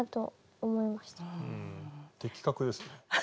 的確ですね。